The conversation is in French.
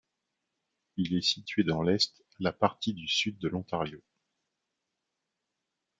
Il est situé dans l'est la partie du Sud de l'Ontario.